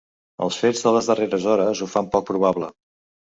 Els fets de les darreres hores ho fan poc probable.